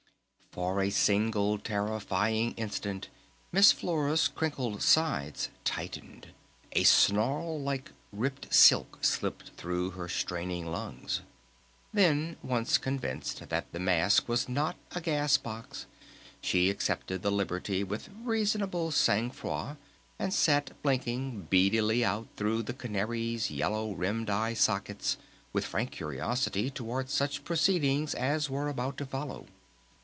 For a single terrifying instant Miss Flora's crinkled sides tightened, a snarl like ripped silk slipped through her straining lungs. Then once convinced that the mask was not a gas box she accepted the liberty with reasonable sang froid and sat blinking beadily out through the canary's yellow rimmed eye sockets with frank curiosity towards such proceedings as were about to follow.